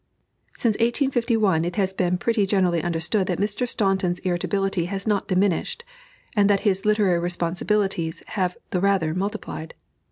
Since 1851 it has been pretty generally understood that Mr. Staunton's irritability has not diminished, and that his literary responsibilities have the rather multiplied.